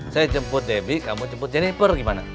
saya jemput debbie kamu jemput jenniper gimana